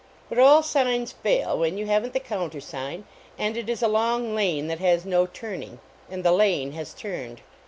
But all signs fail when you haven t the countersign, and it is a long lane that has no turning. And the lane has turned.